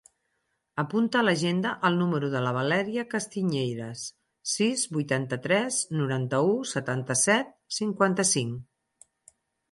Apunta a l'agenda el número de la Valèria Castiñeiras: sis, vuitanta-tres, noranta-u, setanta-set, cinquanta-cinc.